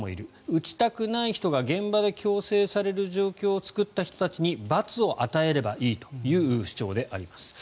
打ちたくない人が現場で強制される状況を作った人たちに罰を与えればいいという主張であります。